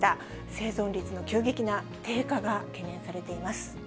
生存率の急激な低下が懸念されています。